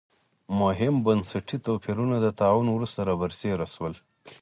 مهم بنسټي توپیرونه د طاعون وروسته را برسېره شول.